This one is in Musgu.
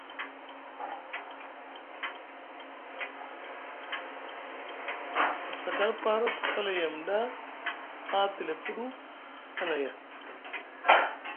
Asakal par ku tala yem ɗa haa tile puɗu, a naya.